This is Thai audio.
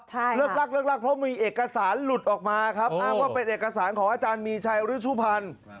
ใช่ครับครับเพราะมีเอกสารหลุดออกมาครับอ้างว่าเป็นเอกสารของอาจารย์มีชัยอุริสุภัณฑ์